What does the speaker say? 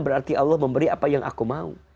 berarti allah memberi apa yang aku mau